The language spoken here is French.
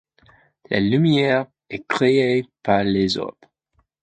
La lumière est créée par les orbes.